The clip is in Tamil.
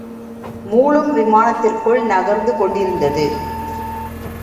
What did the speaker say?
மூலம் விமானத்திற்குள் நகர்ந்து கொண்டிருந்தது.